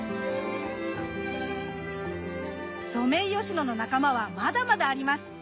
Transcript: ソメイヨシノの仲間はまだまだあります。